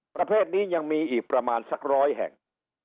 ประเภทนี้ยังมีอีกประมาณสักร้อยแห่ง